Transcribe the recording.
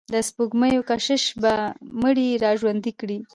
د سپوږمیو کشش به مړي را ژوندي کړي.